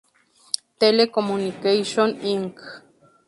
Tele-Communications, Inc.